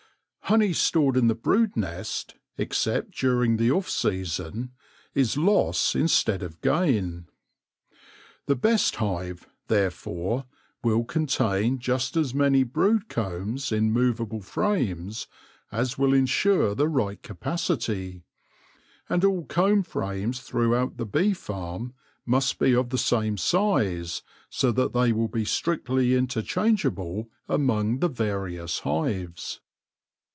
Honey stored in the brood nest, except during the off season, is loss instead of gain. The best hive, therefore, will contain just as many brood combs in movable frames as will ensure the right capacity ; and all comb frames throughout the bee farm must be of the same size, so that they will be strictly interchangeable among the various hives.